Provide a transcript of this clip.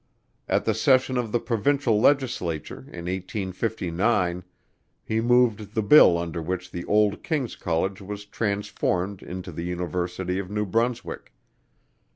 At the session of the provincial legislature, in 1859, he moved the bill under which the old King's College was transformed into the University of New Brunswick.